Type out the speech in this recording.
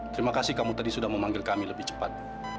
terima kasih kamu tadi sudah memanggil kami lebih cepat